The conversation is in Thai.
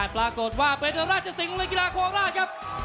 ปรากฏว่าเป็นราชสิงห์ในกีฬาโคราชครับ